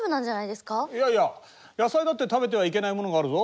いやいや野菜だって食べてはいけないものがあるぞ。